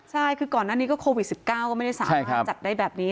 ใช่คือก่อนหน้านี้ก็โควิด๑๙ก็ไม่ได้สามารถจัดได้แบบนี้